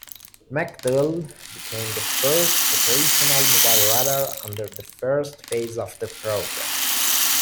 MacDill became the first operational mobile radar under the first phase of the program.